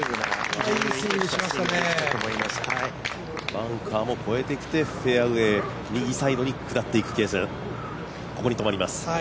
バンカーも越えてきて、フェアウエー、右サイドに下っていく傾斜、ここに止まります。